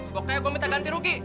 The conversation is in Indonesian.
pokoknya gue minta ganti rugi